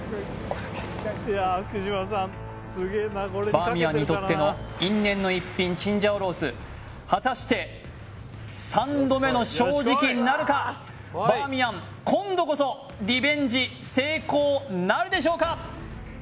バーミヤンにとっての因縁の一品チンジャオロース果たして三度目の正直なるかバーミヤン今度こそリベンジ成功なるでしょうか